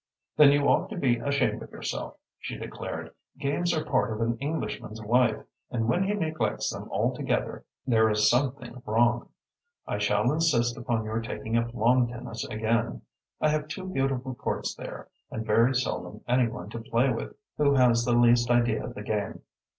"Then you ought to be ashamed of yourself," she declared. "Games are part of an Englishman's life, and when he neglects them altogether there is something wrong. I shall insist upon your taking up lawn tennis again. I have two beautiful courts there, and very seldom any one to play with who has the least idea of the game."